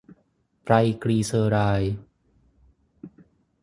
ไตรกรีเซอไรด์